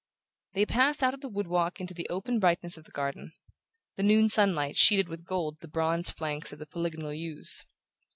They passed out of the wood walk into the open brightness of the garden. The noon sunlight sheeted with gold the bronze flanks of the polygonal yews.